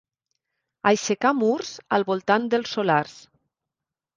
Aixecar murs al voltant dels solars.